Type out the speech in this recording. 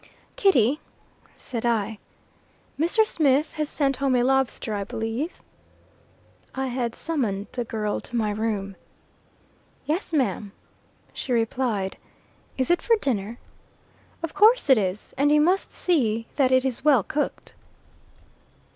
"Kitty," said I, "Mr. Smith has sent home a lobster, I believe?" I had summoned the girl to my room. "Yes, ma'am," she replied. "Is it for dinner?" "Of course it is; and you must see that it is well cooked."